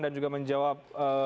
dan juga menjawab